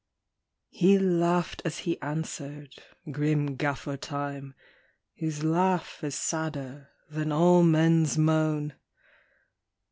" He laughed as he answered, grim Gaffer Time, Whose laugh is sadder than all men s moan.